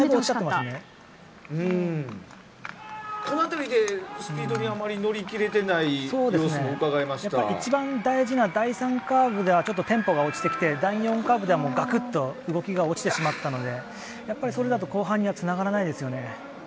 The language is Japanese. この辺りでスピードにあまり乗り切れてない様子を一番大事な第３カーブではちょっとテンポが落ちてきて第４カーブではガクッと動きが落ちてしまったのでやっぱり、それだと後半にはつながらないですよね。